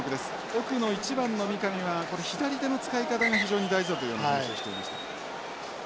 奥の１番の三上は左手の使い方が非常に大事だというような話をしていました。